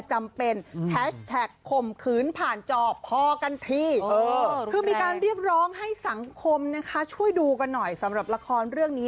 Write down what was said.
หรอกลองให้สังคมช่วยดูกันหน่อยสำหรับละครเรื้อกิน